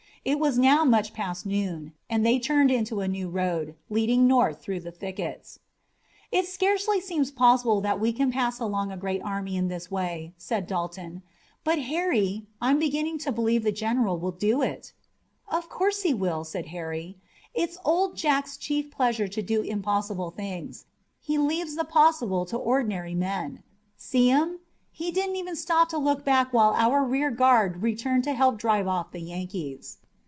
It was now much past noon, and they turned into a new road, leading north through the thickets. "It scarcely seems possible that we can pass around a great army in this way," said Dalton; "but, Harry, I'm beginning to believe the general will do it." "Of course he will," said Harry. "It's Old Jack's chief pleasure to do impossible things. He leaves the possible to ordinary men. See him. He didn't even stop to look back while our rear guard returned to help drive off the Yankees."